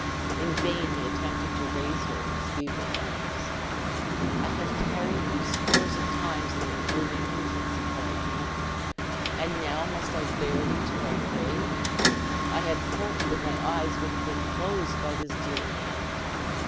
In vain he attempted to raise her in his feeble arms. "I have carried thee scores of times in thy blooming infancy," cried he; "and now must I bear thee to thy grave? I had hoped that my eyes would have been closed by this dear hand."